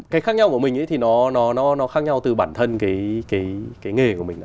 cái khác nhau của mình thì nó khác nhau từ bản thân cái nghề của mình